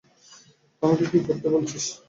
আমাকে কী করতে বলছিস?